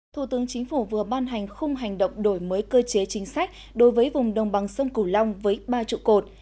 thủ tướng chính phủ vừa ban hành khung hành động đổi mới cơ chế chính sách đối với vùng đồng bằng sông cửu long với ba trụ cột